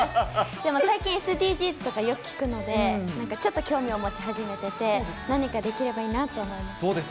でも最近、ＳＤＧｓとかよく聞くので、ちょっと興味を持ち始めてて、何かできればいいなと思います。